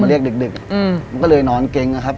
เรียกดึกมันก็เลยนอนเก๊งนะครับ